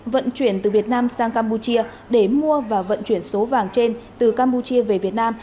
vận chuyển từ việt nam sang campuchia để mua và vận chuyển số vàng trên từ campuchia về việt nam